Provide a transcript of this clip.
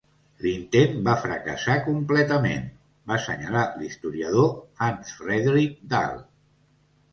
"L'intent va fracassar completament", va senyalar l'historiador Hans Fredrik Dahl.